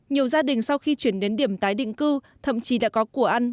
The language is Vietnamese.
nhiều gia đình sau khi chuyển đến điểm tái định cư thậm chí đã có của ăn